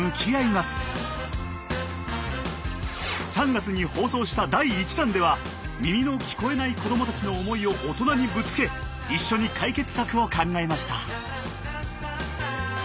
３月に放送した第１弾では耳の聞こえない子どもたちの思いを大人にぶつけ一緒に解決策を考えました。